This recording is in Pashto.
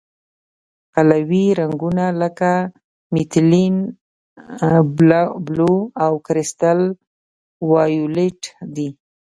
قلوي رنګونه لکه میتیلین بلو او کرسټل وایولېټ دي.